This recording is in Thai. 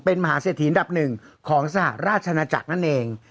เป็นมหาเศรษฐีอันดับหนึ่งของสหราชนาจักรนั่นเอง